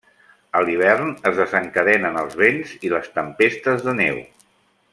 A l'hivern, es desencadenen els vents i les tempestes de neu.